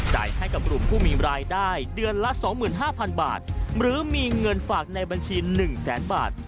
ให้กับกลุ่มผู้มีรายได้เดือนละ๒๕๐๐๐บาทหรือมีเงินฝากในบัญชี๑แสนบาท